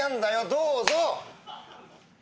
どうぞ。